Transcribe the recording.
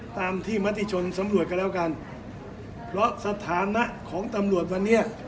ตามที่มติชนสำรวจกันแล้วกันเพราะสถานะของตำรวจวันนี้